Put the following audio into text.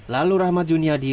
lalu rahmat junia diberi